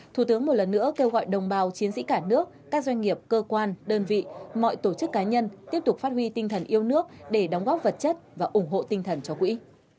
thủ tướng một lần nữa kêu gọi đồng bào chiến sĩ cả nước các doanh nghiệp cơ quan đơn vị mọi tổ chức cá nhân tiếp tục phát huy tinh thần yêu nước để đóng góp vật chất và ủng hộ tinh thần cho quỹ